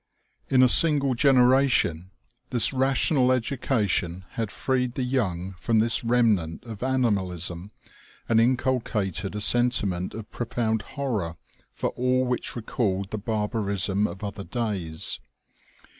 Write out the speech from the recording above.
In a single generation, this rational education had freed the young from this remnant of animalism, and inculcated a sentiment of profound horror for all which recalled the barbarism of other days.